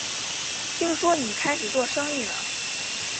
听说你开始做生意了